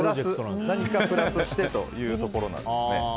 何かプラスしてというところですね。